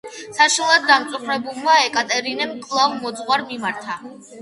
საშინლად დამწუხრებულმა ეკატერინემ კვლავ მოძღვარს მიმართა.